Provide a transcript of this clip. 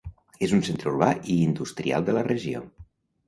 És un centre urbà i industrial de la regió.